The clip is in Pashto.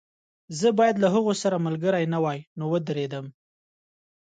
زه باید له هغوی سره ملګری نه وای نو ودرېدم